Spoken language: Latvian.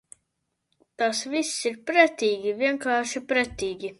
Tas viss ir pretīgi, vienkārši pretīgi.